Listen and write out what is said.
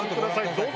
どうぞ。